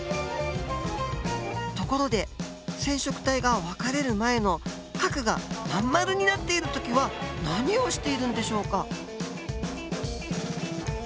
ところで染色体が分かれる前の核がまん丸になっている時は何をしているんでしょうか。